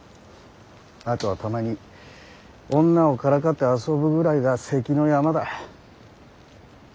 あとはたまに女をからかって遊ぶぐらいが関の山だ。